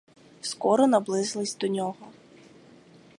Скоро наблизились до нього.